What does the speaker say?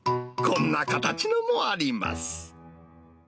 こんな形のもあります。